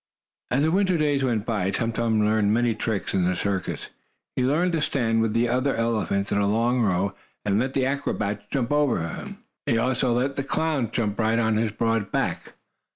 As the winter days went by, Tum Tum learned many tricks in the circus. He learned to stand with other elephants, in a long row, and let the acrobats jump over him, and he also let the clowns jump right on his broad back.